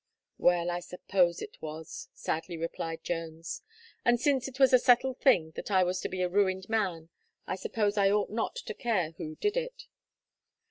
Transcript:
"Well, I suppose it was," sadly replied Jones, "and since it was a settled thing that I was to be a ruined man, I suppose I ought not to care who did it."